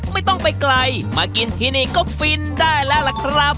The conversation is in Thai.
ไม่ต้องไปไกลมากินที่นี่ก็ฟินได้แล้วล่ะครับ